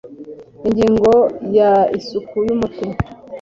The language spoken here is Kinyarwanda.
ingingo ya isuku y umuti